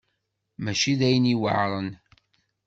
Mačči d ayen yuɛren.